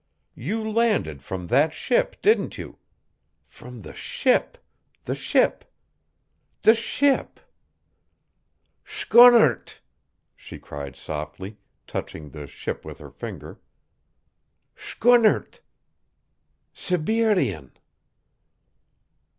You landed from that ship, didn't you? From the ship the ship the ship " "Skunnert!" she cried softly, touching the ship with her finger. "Skunnert Sibirien!"